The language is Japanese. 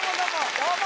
どうも！